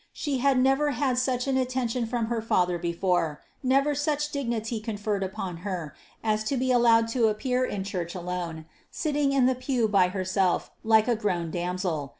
She had never had such an attention from her father before, never such dignity conferred upon her as to be allowed to appear in church alone, sitting in the pew by herself like a grown damsel.